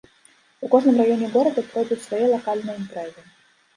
У кожным раёне горада пройдуць свае лакальныя імпрэзы.